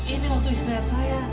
ini waktu istirahat saya